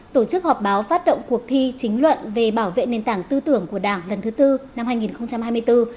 tổ chức họp báo phát động cuộc thi chính luận về bảo vệ nền tảng tư tưởng của đảng lần thứ tư năm hai nghìn hai mươi bốn